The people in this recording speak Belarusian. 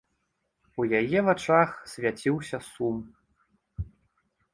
У яе вачах свяціўся сум.